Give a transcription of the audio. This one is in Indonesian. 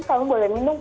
kamu boleh minum kan